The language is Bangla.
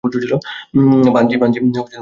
বানজি, বানজি, শুনতে পাচ্ছো?